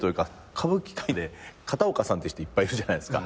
歌舞伎界で片岡さんって人いっぱいいるじゃないっすか。